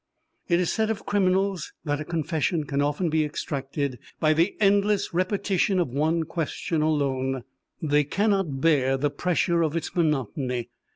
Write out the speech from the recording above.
It is said of criminals that a confession can often be extracted by the endless repetition of one question alone; they cannot bear the pressure of its monotony.